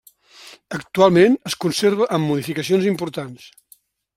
Actualment es conserva amb modificacions importants.